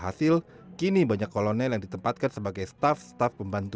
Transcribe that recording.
hasil kini banyak kolonel yang ditempatkan sebagai staff staff pembantu